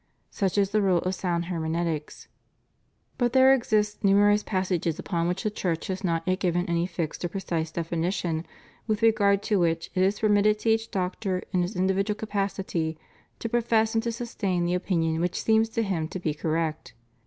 Such is the rule of sound hermeneutics. But there exist numerous passages upon which the Church has not yet given any fixed or precise definition, with regard to which it is permitted to each doctor in his individual capacity to profess and to sustain the opinion which seems to him to be correct.